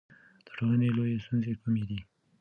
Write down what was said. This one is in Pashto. د ټولنې لویې ستونزې کومې دي؟